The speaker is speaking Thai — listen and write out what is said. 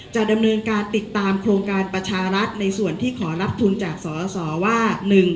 จะดำเนินการติดตามโครงการประชารัฐในส่วนที่ขอรับทุนจากสสว่า